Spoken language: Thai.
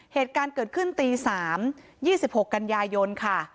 เหตุการณ์เกิดขึ้นตี๓๒๖กันยายนค่ะ